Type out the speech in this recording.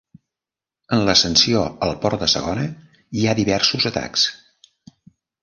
En l'ascensió al port de segona hi ha diversos atacs.